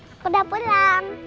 aku udah pulang